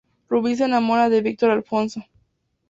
Rubí se enamora de Víctor Alfonso.